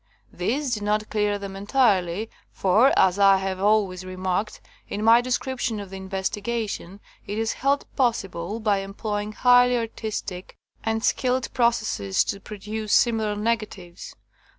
This did not clear them entirely, for, as I have always remarked in my description of the investigation, it is held possible by employ ing highly artistic and skilled processes to produce similar negatives.